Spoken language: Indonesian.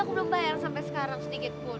aku belum bayar sampai sekarang sedikit pun